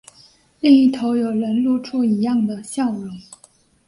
另一头有人露出一样的笑容